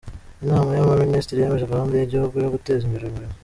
Inama y’Abaminisitiri yemeje Gahunda y’Igihugu yo Guteza imbere Umurimo.